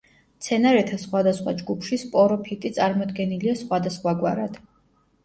მცენარეთა სხვადასხვა ჯგუფში სპოროფიტი წარმოდგენილია სხვადასხვაგვარად.